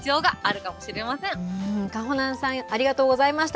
かほなんさん、ありがとうございました。